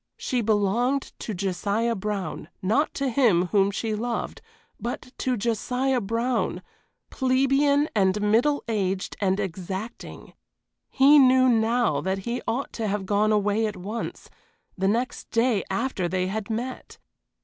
She belonged to Josiah Brown not to him whom she loved but to Josiah Brown, plebeian and middle aged and exacting. He knew now that he ought to have gone away at once, the next day after they had met.